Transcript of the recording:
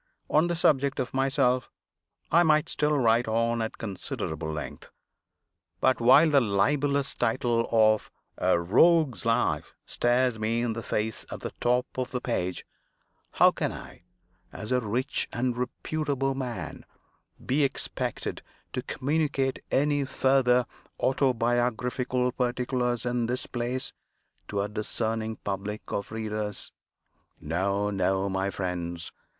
On the subject of myself, I might still write on at considerable length. But while the libelous title of "A ROGUE'S LIFE" stares me in the face at the top of the page, how can I, as a rich and reputable man, be expected to communicate any further autobiographical particulars, in this place, to a discerning public of readers? No, no, my friends!